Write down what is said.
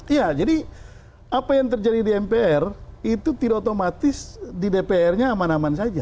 iya jadi apa yang terjadi di mpr itu tidak otomatis di dpr nya aman aman saja